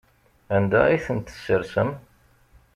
Anda ay ten-tessersem?